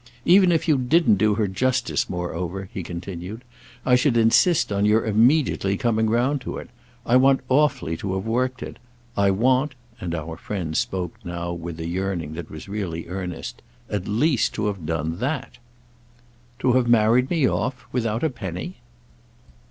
"Even if you didn't do her justice, moreover," he continued, "I should insist on your immediately coming round to it. I want awfully to have worked it. I want"—and our friend spoke now with a yearning that was really earnest—"at least to have done that." "To have married me off—without a penny?"